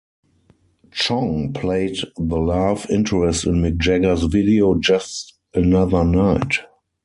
Chong played the love interest in Mick Jagger's video "Just Another Night".